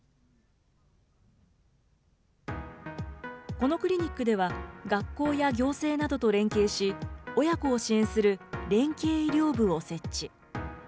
このクリニックでは、学校や行政などと連携し、親子を支援する連携医療部を設置。